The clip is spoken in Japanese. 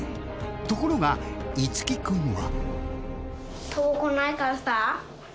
ところが樹君は。